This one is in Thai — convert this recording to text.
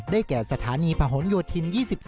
ได้แก่สถานีพหลโยธิน๒๔